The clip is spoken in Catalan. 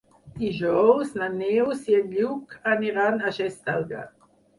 Dijous na Neus i en Lluc aniran a Xestalgar.